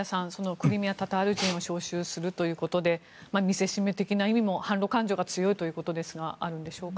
クリミア・タタール人を招集するということで見せしめ的な意味も反ロ感情が強いということですがあるんでしょうか。